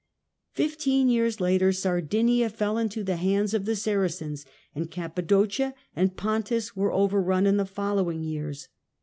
Fifteen years later, Sardinia fell into the hands of the Saracens, and Cappadocia and Pontus were overrun in the following years.